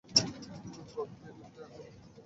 গর্তের মধ্যে আগুন!